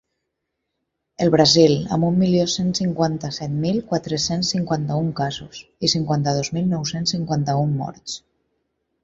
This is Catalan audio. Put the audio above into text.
El Brasil, amb un milió cent cinquanta-set mil quatre-cents cinquanta-un casos i cinquanta-dos mil nou-cents cinquanta-un morts.